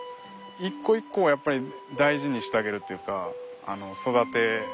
一個一個をやっぱり大事にしてあげるっていうか育て。